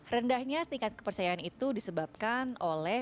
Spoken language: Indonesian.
rendahnya tingkat kepercayaan itu disebabkan oleh